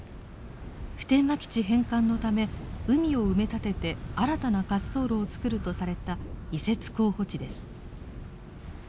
普天間基地返還のため海を埋め立てて新たな滑走路を造るとされた移設候補地です。